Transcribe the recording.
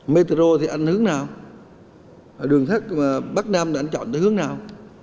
metro thì anh hướng nào đường sắt bắc nam thì anh chọn hướng nào